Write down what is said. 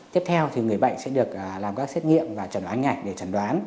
tiếp theo thì người bệnh sẽ được làm các xét nghiệm và trần đoán ảnh để trần đoán